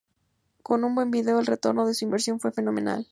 Con un buen vídeo, el retorno de su inversión fue fenomenal".